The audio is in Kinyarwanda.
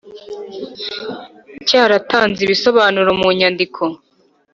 Cyaratanze ibisobanuro mu nyandiko